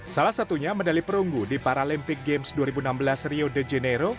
salah satunya medali perunggu di paralimpik games dua ribu enam belas rio de janeiro